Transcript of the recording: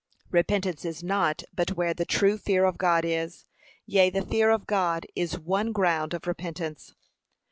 Repentance is not but where the true fear of God is; yea, the fear of God is one ground of repentance.